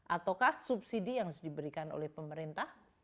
ataukah subsidi yang harus diberikan oleh pemerintah